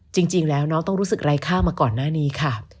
จริงแล้วน้องต้องรู้สึกไร้ค่ามาก่อนหน้านี้ค่ะ